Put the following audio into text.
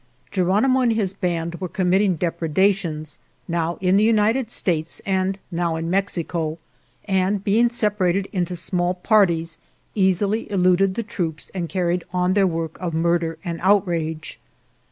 " Geronimo and his band were committing depredations, now in the United States and now in Mexico, and, being separated into small parties, easily eluded the troops, and carried on their work of murder and out rage.